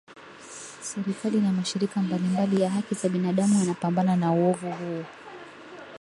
serikali na mashirika mbalimbali ya haki za binadamu yanapambana na uovu huu